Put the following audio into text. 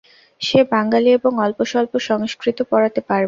সে বাঙালী এবং অল্পস্বল্প সংস্কৃত পড়াতে পারবে।